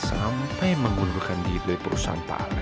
sampai mengundurkan diri perusahaan pak alex